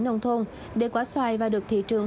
nông thôn để quả xoài vào được thị trường